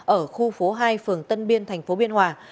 ở khu phố hai phường tân biên thành phố biên hòa